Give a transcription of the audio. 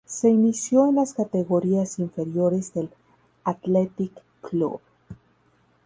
Se inició en las categorías inferiores del Athletic Club.